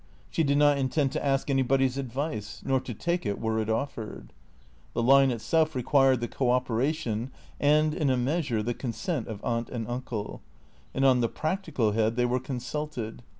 She did not intend to ask anybody's advice, nor to take it were it offered. The line itself required the co operation and, in a measure, the consent of Aunt and Uncle ; and on the practical head they were consulted.